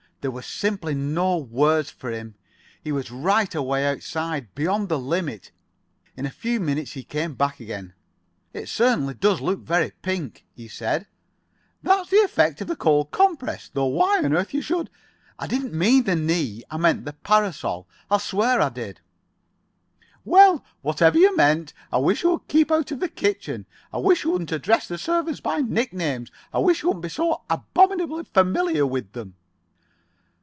There were simply no words for him. He was right away outside, beyond the limit. In a few minutes he came back again. "It certainly does look very pink," he said. "That's the effect of the cold compress. Though why on earth you should——" [Pg 51]"I didn't mean the knee, I meant the parasol. I'll swear I did." "Well, whatever you meant, I wish you would keep out of the kitchen. I wish you wouldn't address the servants by nicknames. I wish you wouldn't be so abominably familiar with them."